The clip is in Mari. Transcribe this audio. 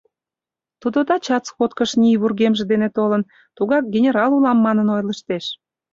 Тудо тачат сходкыш ний вургемже дене толын, тугак, «генерал улам» манын ойлыштеш.